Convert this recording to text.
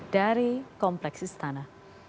dari kompleks istana